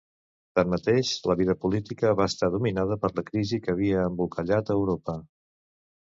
Tanmateix, la vida política va estar dominada per la crisi que havia embolcallat a Europa.